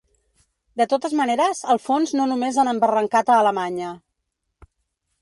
De totes maneres, el fons no només han embarrancat a Alemanya.